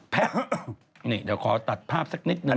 แพทย์นี่เดี๋ยวขอตัดภาพสักนิดหนึ่งนะฮะ